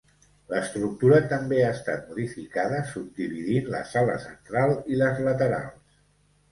L'estructura també ha estat modificada subdividint la sala central i les laterals.